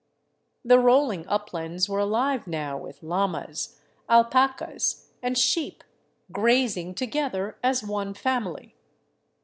The rolling uplands were alive now with llamas, alpacas, and sheep, graz ing together as one family.